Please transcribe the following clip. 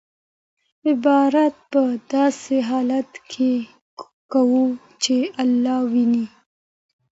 عبادت په داسې حال کې کوه چې الله وینې.